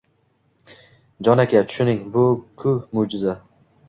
Jon aka, tushuning, bu-ku ma’jiza